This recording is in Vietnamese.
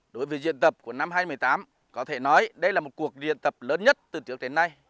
đối với diễn tập của năm hai nghìn một mươi tám có thể nói đây là một cuộc luyện tập lớn nhất từ trước đến nay